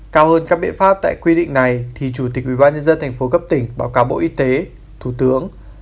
cao hơn các biện pháp tại quy định này thì chủ tịch ubnd tp cấp tỉnh báo cáo bộ y tế thủ tướng